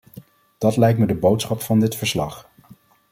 Dat lijkt me de boodschap van dit verslag.